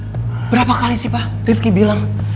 pak berapa kali sih pak rifqi bilang